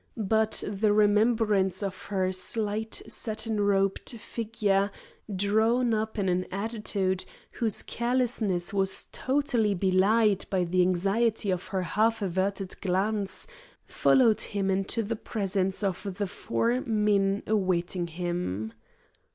But the remembrance of her slight satin robed figure, drawn up in an attitude whose carelessness was totally belied by the anxiety of her half averted glance, followed him into the presence of the four men awaiting him.